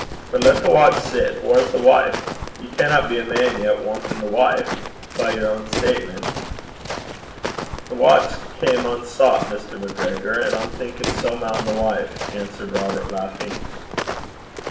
But lat the watch sit: whaur's the wife? Ye canna be a man yet wantin' the wife by yer ain statement.' 'The watch cam unsoucht, Mr. MacGregor, an' I'm thinkin' sae maun the wife,' answered Robert, laughing.